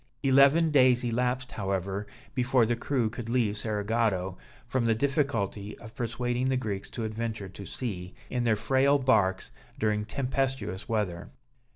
Eleven days elapsed, however, before the crew could leave Cerigotto, from the difficulty of persuading the Greeks to adventure to sea, in their frail barks, during tempestuous weather.